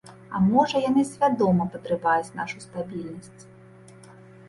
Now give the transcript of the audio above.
А можа, яны свядома падрываюць нашу стабільнасць?